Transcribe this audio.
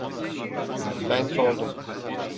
Ben sordum: